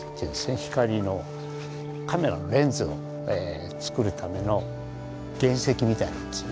光のカメラのレンズを作るための原石みたいなもんですね。